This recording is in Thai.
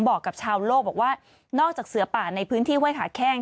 บอกกับชาวโลกบอกว่านอกจากเสือป่าในพื้นที่ห้วยขาแข้ง